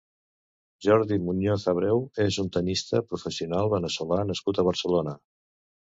Jordi Muñoz Abreu és un tennista professional veneçolà nascut a Barcelona.